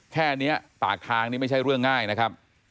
แค่นี้ปากทางนี่ไม่ใช่เรื่องง่ายนะครับ